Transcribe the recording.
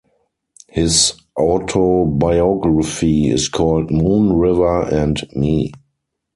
His autobiography is called "Moon River" and Me".